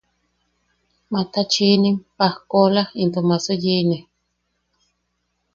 Matachiinim, pajkoola into maaso yiʼine.